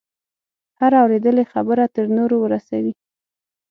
هره اورېدلې خبره تر نورو ورسوي.